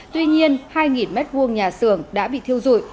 tuy nhiên hai m hai nhà xưởng đã bị thiêu dụi